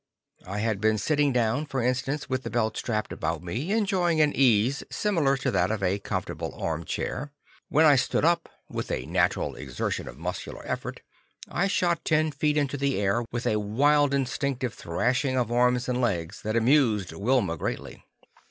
I had been sitting down, for instance, with the belt strapped about me, enjoying an ease similar to that of a comfortable armchair; when I stood up with a natural exertion of muscular effort, I shot ten feet into the air, with a wild instinctive thrashing of arms and legs that amused Wilma greatly.